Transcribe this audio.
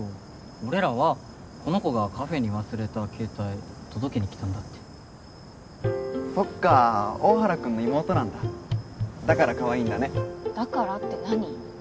俺らはこの子がカフェに忘れた携帯届けに来たんだってそっか大原君の妹なんだだからかわいいんだねだからって何？